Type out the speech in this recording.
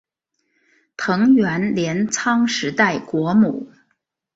藤原镰仓时代国母。